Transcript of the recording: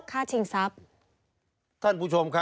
ตั้งแต่อายุ๑๔ค่ะ